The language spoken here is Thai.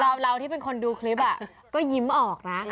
แต่แบบเราที่เป็นคนดูคลิปอะก็ยิ้มออกนะ